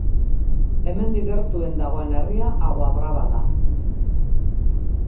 Hemendik gertuen dagoen herria, Agua Brava da.